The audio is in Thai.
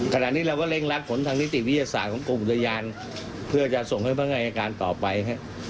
ขณะนี้เราก็เร่งรัดผลทางนิติวิทยาศาสตร์ของกรมอุทยานเพื่อจะส่งให้พนักงานอายการต่อไป